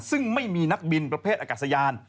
ซึ่งไม่มีนักบินประเภทอากาศยาน